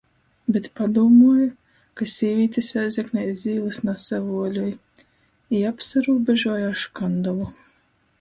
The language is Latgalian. Bet padūmuoja, ka sīvītis Rēzeknē iz īlys nasavuoļoj... i apsarūbežuoja ar škandalu.